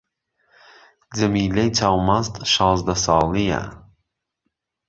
جەمیلەی چاو مەست شازدە ساڵی یە